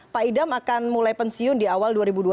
pak idam akan mulai pensiun di awal dua ribu dua puluh